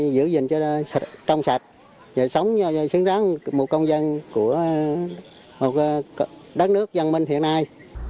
giữ gìn cho trong sạch sống xứng đáng một công dân của một đất nước dân minh hiện nay